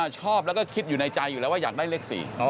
ชอบแล้วก็คิดอยู่ในใจอยู่แล้วว่าอยากได้เลข๔